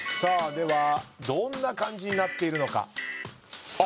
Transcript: ではどんな感じになってるのか。